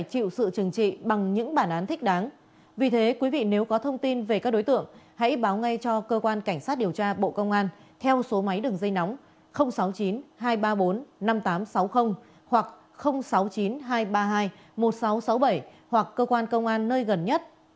hãy báo ngay cho cơ quan cảnh sát điều tra bộ công an theo số máy đường dây nóng sáu mươi chín hai trăm ba mươi bốn năm nghìn tám trăm sáu mươi hoặc sáu mươi chín hai trăm ba mươi hai một nghìn sáu trăm sáu mươi bảy hoặc cơ quan công an nơi gần nhất